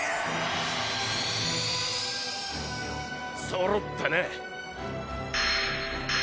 そろったな。